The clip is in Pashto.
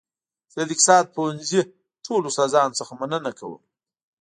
زه د اقتصاد پوهنځي ټولو استادانو څخه مننه کوم